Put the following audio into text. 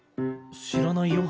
知らないよ。